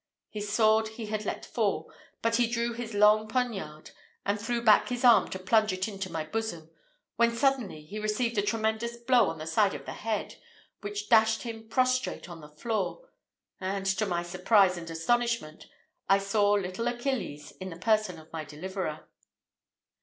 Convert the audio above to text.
His sword he had let fall, but he drew his long poniard, and threw back his arm to plunge it into my bosom: when suddenly he received a tremendous blow on the side of the head, which dashed him prostrate on the floor; and to my surprise and astonishment, I saw little Achilles in the person of my deliverer.